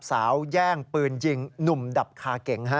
แย่งปืนยิงหนุ่มดับคาเก๋ง